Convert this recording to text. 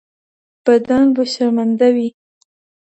بدان به شرمنده وي.